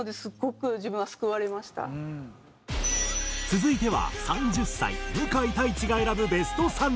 続いては３０歳向井太一が選ぶベスト３０。